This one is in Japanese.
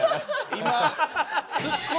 今。